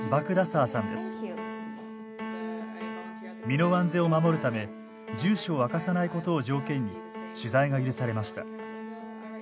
身の安全を守るため住所を明かさないことを条件に取材が許されました。